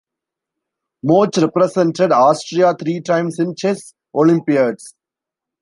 Kmoch represented Austria three times in Chess Olympiads.